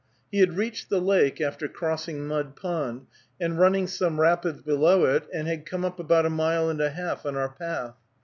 He had reached the lake, after crossing Mud Pond, and running some rapids below it, and had come up about a mile and a half on our path.